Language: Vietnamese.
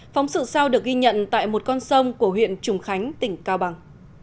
phóng sự sau được ghi nhận tại một con sông của huyện trùng khánh tỉnh cao bằng